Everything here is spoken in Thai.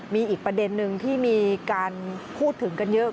มีอีกประเด็นนึงที่มีการพูดถึงกันเยอะ